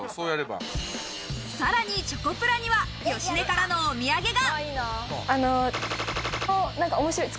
さらにチョコプラには芳根からのお土産が。